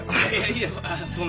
いえそんな。